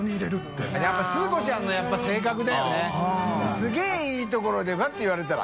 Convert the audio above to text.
垢欧いいところでわって言われたら。